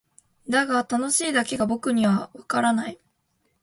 だが「楽しい」だけが僕にはわからない。